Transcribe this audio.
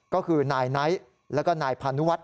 ก็คือนายไนท์และนายพานุวัฒน์